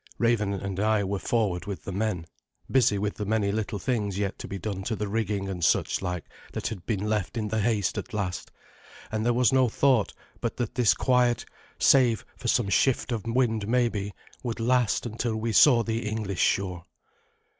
Raven and I were forward with the men, busy with the many little things yet to be done to the rigging and such like that had been left in the haste at last, and there was no thought but that this quiet, save for some shift of wind maybe, would last until we saw the English shore.